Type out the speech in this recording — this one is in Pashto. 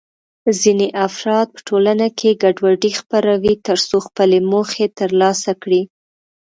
ځینې افراد په ټولنه کې ګډوډي خپروي ترڅو خپلې موخې ترلاسه کړي.